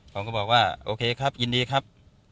ผมก็บอกว่าโอเคครับยินดีครับ